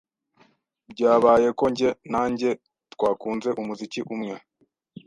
Byabaye ko njye na njye twakunze umuziki umwe.